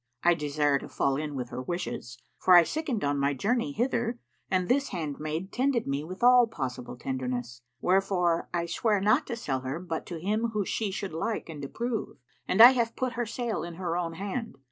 I desire to fall in with her wishes, for I sickened on my journey hither and this handmaid tended me with all possible tenderness, wherefore I sware not to sell her but to him whom she should like and approve, and I have put her sale in her own hand.